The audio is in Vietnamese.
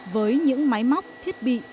với những máy móc thiết bị